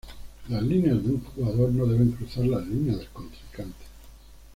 Las líneas de un jugador no deben cruzar las líneas del contrincante.